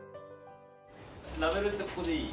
ラベルってここでいい？